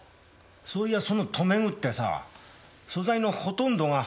そういやその留め具ってさ素材のほとんどが。